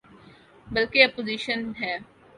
بلکہ اپوزیشن ہے۔